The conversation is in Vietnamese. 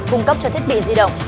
cung cấp cho thiết bị di động